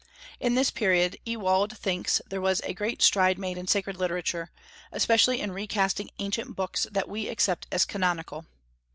In this period Ewald thinks there was a great stride made in sacred literature, especially in recasting ancient books that we accept as canonical.